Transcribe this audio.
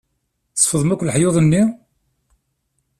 Tsefḍem akk leḥyuḍ-nni?